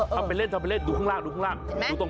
ทำเป็นเล่นดูข้างล่าง